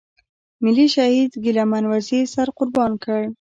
ملي شهيد ګيله من وزير سر قربان کړ.